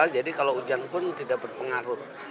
jadi kalau hujan pun tidak berpengaruh